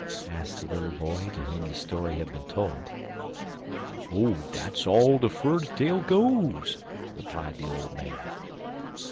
asked the little boy to whom the story had been told. "Dat's all de fur de tale goes," replied the old man.